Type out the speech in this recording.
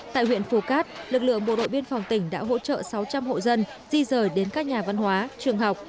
tại huyện phù cát lực lượng bộ đội biên phòng tỉnh đã hỗ trợ sáu trăm linh hộ dân di rời đến các nhà văn hóa trường học